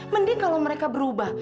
mending kalau mereka berubah